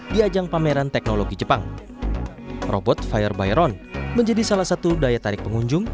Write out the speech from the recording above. di ajang pameran teknologi jepang robot fire byron menjadi salah satu daya tarik pengunjung